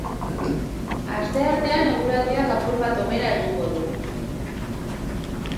Asteartean eguraldiak apur bat hobera egingo du.